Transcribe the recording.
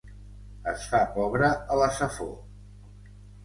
Es fa pobre a la Safor.